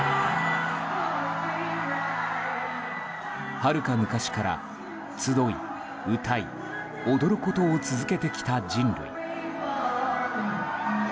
はるか昔から集い、歌い、踊ることを続けてきた人類。